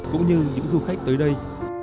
cũng như những du khách tới đây